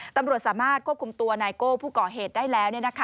ตำรวจสามารถควบคุมตัวนายโก้ผู้ก่อเหตุได้แล้ว